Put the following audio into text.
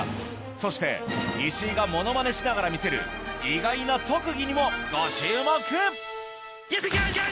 そして石井がものまねしながら見せる意外な特技にもご注目！